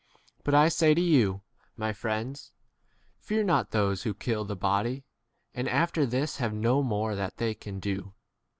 BAt I say to you, my friends, Fear not those who kill the body and after this have no 5 more that they can do.